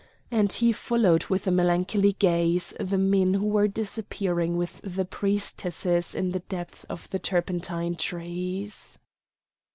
And he followed with a melancholy gaze the men who were disappearing with the priestesses in the depths of the turpentine trees.